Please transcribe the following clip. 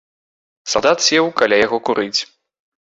Салдат сеў каля яго курыць.